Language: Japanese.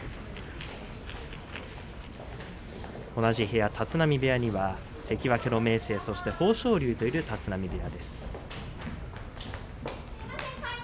同じ部屋、立浪部屋には関脇明生そして豊昇龍といる立浪部屋。